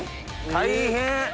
大変！